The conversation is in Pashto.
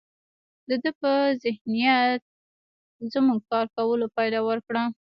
د ده پر ذهنیت زموږ کار کولو پایله ورکړه